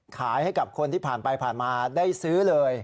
ขายให้กับคนที่ผ่านไปผ่านมาได้ซื้อเลย